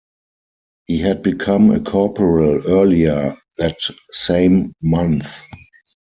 He had become a corporal earlier that same month.